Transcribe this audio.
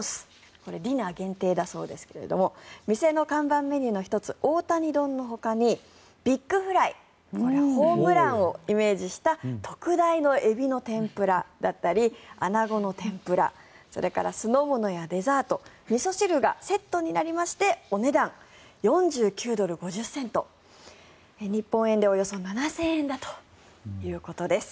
これはディナー限定だそうですが店の看板メニューの１つ大谷丼のほかにビッグフライこれはホームランをイメージした特大のエビの天ぷらだったりアナゴの天ぷらそれから酢の物やデザートみそ汁がセットになりましてお値段、４９ドル５０セント日本円でおよそ７０００円だということです。